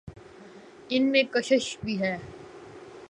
ان میں کشش بھی ہے۔